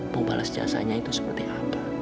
mau balas jasanya itu seperti apa